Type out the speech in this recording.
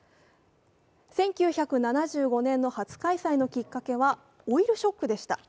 １９７５年の初開催のきっかけはオイルショックでした。